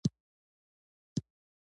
اوس خوندور ژوند لري.